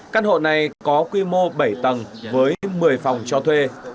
căn hộ này có quy mô bảy tầng với một mươi phòng cho thuê